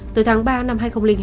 tới tháng ba năm hai nghìn hai